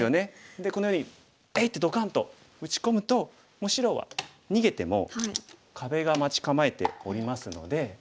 でこのように「えい！」ってドカンと打ち込むともう白は逃げても壁が待ち構えておりますので。